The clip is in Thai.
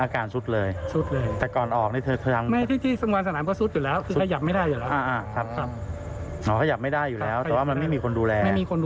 อ๋อก็ยับไม่ได้อยู่แล้วแต่ว่ามันไม่มีคนดูแล